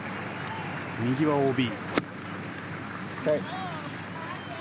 右はＯＢ。